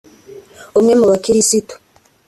umwe mubakirisitu